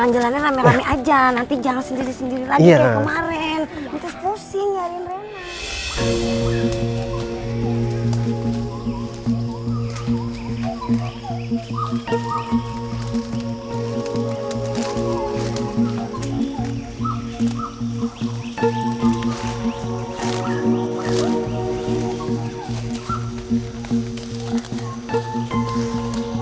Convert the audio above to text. jalan jalannya rame rame aja